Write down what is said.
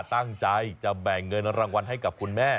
ตั้งใจจะแบ่งเงินรางวัลให้กับคุณแม่